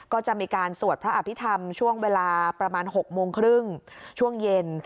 ก็จะมีการสวดพระอภิษฐรรมช่วงเวลาประมาณ๖โมงครึ่งช่วงเย็น